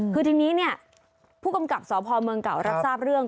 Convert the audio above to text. คือทีนี้เนี่ยผู้กำกับสพเมืองเก่ารับทราบเรื่อง